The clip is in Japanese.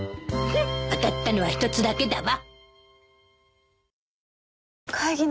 当たったのは１つだけだわ。